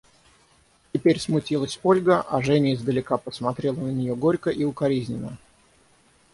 Теперь смутилась Ольга, а Женя издалека посмотрела на нее горько и укоризненно.